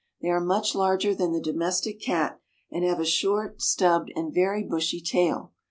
They are much larger than the domestic cat, and have a short, stubbed, and very bushy tail.